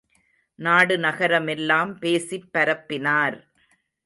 நாடு நகரமெல்லாம் பேசிப் பரப்பினார்.